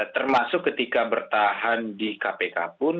termasuk ketika bertahan di kpk pun